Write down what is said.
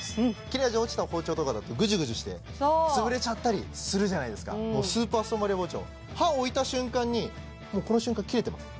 切れ味落ちた包丁とかだとぐじゅぐじゅして潰れちゃったりするじゃないですかもうスーパーストーンバリア包丁刃置いた瞬間にもうこの瞬間切れてます